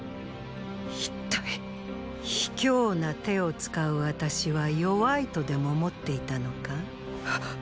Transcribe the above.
一体卑怯な手を使う私は弱いとでも思っていたのか？！